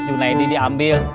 su bos cunaidi diambil